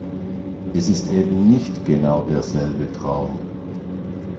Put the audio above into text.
Es ist eben nicht genau derselbe Traum.